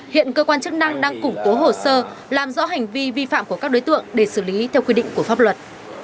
hiện cơ quan chức năng đang củng cố hồ sơ làm rõ hành vi vi phạm của các đối tượng để xử lý theo quy định của pháp luật